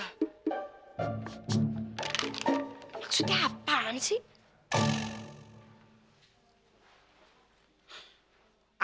maksudnya apaan sih